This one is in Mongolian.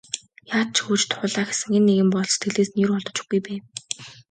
Яаж ч хөөж туулаа гэсэн энэ нэгэн бодол сэтгэлээс нь ер холдож өгөхгүй байв.